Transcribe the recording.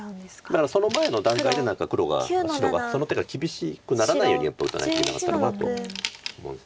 だからその前の段階で何か白がその手が厳しくならないようにやっぱり打たなきゃいけなかったかなと思うんです。